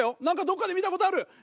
何かどっかで見たことある。